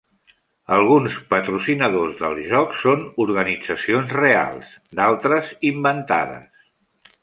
Alguns patrocinadors del joc són organitzacions reals; d'altres, inventades.